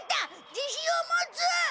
自信を持つ！